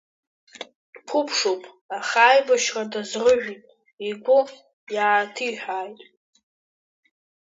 Дқәыԥшуп, аха аибашьра дазрыжәит, игәы иааҭиҳәааит.